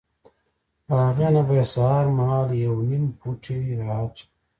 له هغې نه به یې سهار مهال یو نیم پوټی را اچاوه.